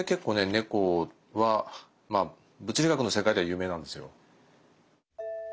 猫は物理学の世界では有名なんですよ。